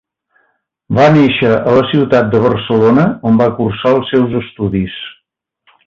Va néixer a la ciutat de Barcelona, on va cursar els seus estudis.